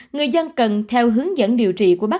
người dân cần theo hướng dẫn điều trị của bác